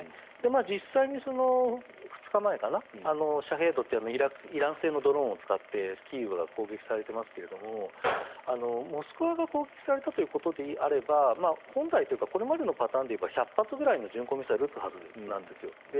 実際に２日前、シャヘドというイラン製のドローンを使ってキーウが攻撃されていますがモスクワが攻撃されたということであれば本来というかこれまでのパターンで言えば１００発ぐらいの巡航ミサイルを撃つはずなんですよ。